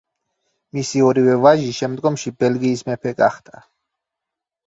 მისი ორივე ვაჟი შემდგომში ბელგიის მეფე გახდა.